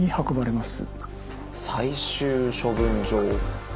最終処分場。